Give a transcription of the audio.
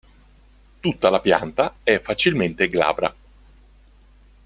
Tutta la pianta è facilmente glabra.